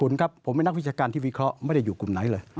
คุณครับผมเป็นนักวิชาการที่วิเคราะห์ไม่ได้อยู่กลุ่มไหนเลย